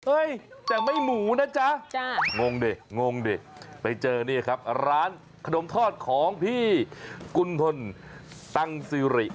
แต่ไม่หมูนะจ๊ะงงดิงงดิไปเจอนี่ครับร้านขนมทอดของพี่กุณฑลตังซิริ